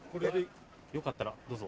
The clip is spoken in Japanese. よかったらどうぞ。